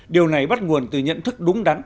điều này bắt nguồn từ nhận thức đúng đắn